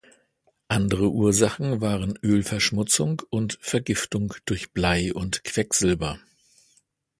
Andere Ursachen waren Ölverschmutzung und Vergiftung durch Blei und Quecksilber.